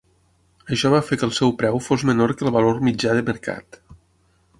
Això va fer que el seu preu fos menor que el valor mitjà de mercat.